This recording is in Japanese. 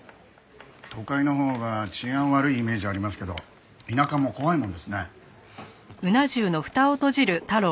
都会のほうが治安悪いイメージありますけど田舎も怖いもんですね。